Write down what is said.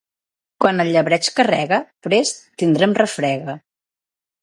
Quan el llebeig carrega, prest tindrem refrega.